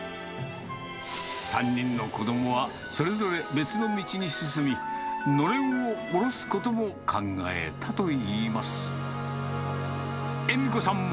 ３人の子どもはそれぞれ別の道に進み、のれんを下ろすことも考えたといいます。